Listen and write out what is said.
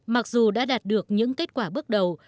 mặc dù đã đạt được những kết quả bước đầu